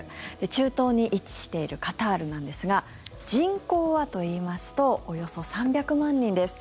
中東に位置しているカタールなんですが人口はといいますとおよそ３００万人です。